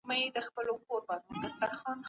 دوی د تحصيل د اهميت په اړه خبرې کولې.